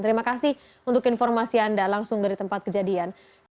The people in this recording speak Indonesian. terima kasih untuk informasi anda langsung dari tempat kejadian